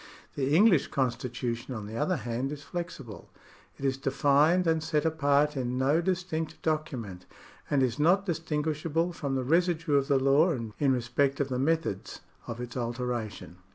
The English constitution on the other hand is flexible ; it is defined and set apart in no distinct document, and is not distinguishable from the residue of the law in respect of the methods of its alteration.